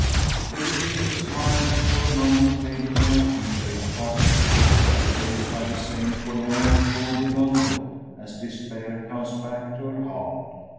The derisive smile that for a moment played upon her features passes off, replaced by the same forlorn woe begone look, as despair comes back to her heart.